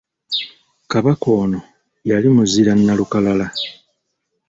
Kabaka ono yali muzira nnalukalala.